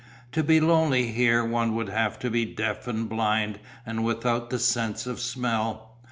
To be lonely here one would have to be deaf and blind and without the sense of smell.